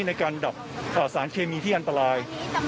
ในการดับสารเคมีที่อันตราย